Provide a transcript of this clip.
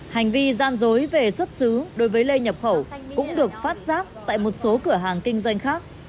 hành vi gian dối về xuất xứ đối với lê nhập khẩu cũng được phát giác tại một số cửa hàng kinh doanh khác